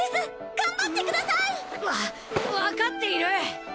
頑張ってください！わ分かっている！